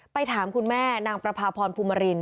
ถามคุณแม่นางประพาพรภูมิริน